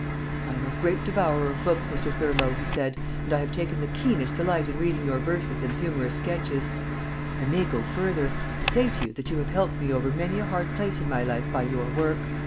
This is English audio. "I'm a great devourer of books, Mr. Thurlow," he said, "and I have taken the keenest delight in reading your verses and humorous sketches. I may go further, and say to you that you have helped me over many a hard place in my life by your work.